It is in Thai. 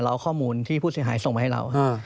ท่านที่พูดเสียหายส่งไว้ให้เรา